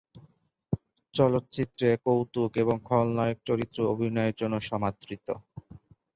চলচ্চিত্রে কৌতুক এবং খলনায়ক চরিত্রে অভিনয়ের জন্য সমাদৃত।